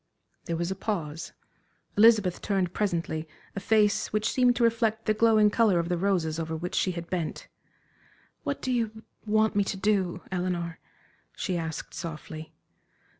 '" There was a pause. Elizabeth turned presently a face which seemed to reflect the glowing color of the roses over which she had bent. "What do you want me to do, Eleanor?" she asked, softly.